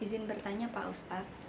izin bertanya pak ustadz